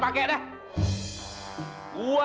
pastinya nih udah diatur nih